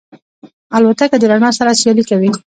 الوتکه د رڼا سره سیالي کوي.